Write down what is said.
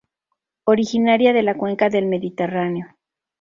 Originaria de la cuenca del Mediterráneo.